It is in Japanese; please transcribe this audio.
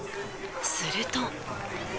すると。